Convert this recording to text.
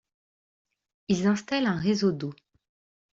Ils installent un réseau d'eau.